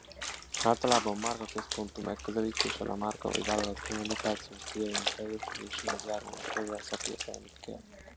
Általában márka központú megközelítéssel a márka vagy vállalat kommunikációs céljainak teljesüléséhez járulnak hozzá szakértelmükkel.